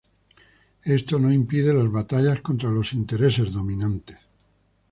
Esto no impide las batallas contra los intereses dominantes.